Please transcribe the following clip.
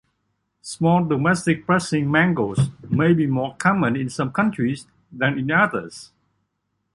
Small domestic pressing mangles may be more common in some countries than in others.